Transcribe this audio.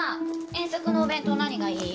遠足のお弁当何がいい？